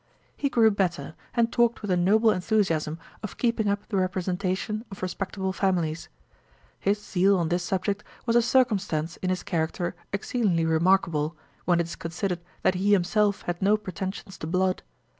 He grew better, and talked with a noble enthusiasm of keeping up the representation of respectable families. His zeal on this subject was a circumstance in his character exceedingly remarkable, when it is considered that he himself had no pretensions to blood.